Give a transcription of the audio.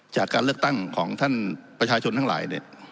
จากการเลือกตั้งของท่านประชาชนทั้งหลายเนี่ย